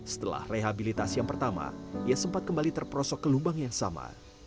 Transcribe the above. setelah rehabilitasi yang pertama ia sempat kembali terperosok ke lubang yang sama